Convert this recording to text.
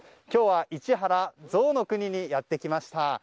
今日は市原ぞうの国にやってきました。